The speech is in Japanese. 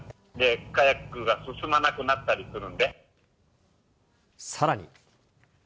カヤックが進まなくなったりするさらに。